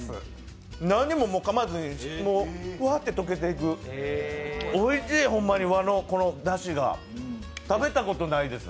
何もかまずに、もうふわっと溶けていく、おいしい、ホンマにこの和のだしが、食べたことないです。